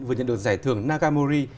vừa nhận được giải thưởng nagamori